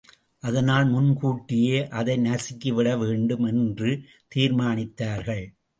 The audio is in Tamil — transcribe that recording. அதனால் முன் கூட்டியே அதை நசுக்கி விட வேண்டும் என்று தீர்மானித்தார்கள்.